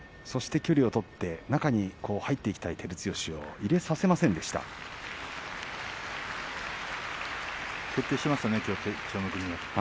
そして距離を取って中に入っていきたい照強を徹底していましたね